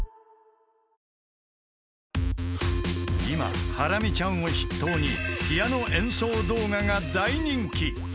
［今ハラミちゃんを筆頭にピアノ演奏動画が大人気］